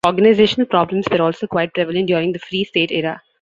Organizational problems were also quite prevalent during the Free State era.